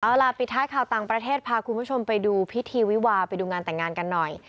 เอาล่ะปิดท้ายข่าวต่างประเทศพาคุณผู้ชมไปดูพิธีวิวาไปดูงานแต่งงานกันหน่อย